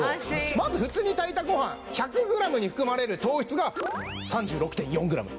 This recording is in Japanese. まず普通に炊いたごはん１００グラムに含まれる糖質が３６．４グラム。